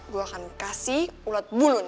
gue akan kasih ulat bulu nih